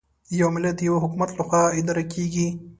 یو ملت د یوه حکومت له خوا اداره کېږي.